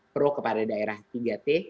pro kepada daerah tiga t